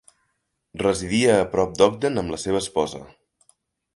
Residia a prop d'Ogden amb la seva esposa.